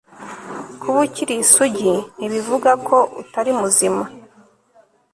kuba ukiri isugi ntibivuga ko utari muzima